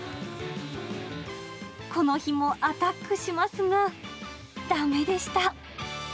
この日もアタックしますが、だめでした。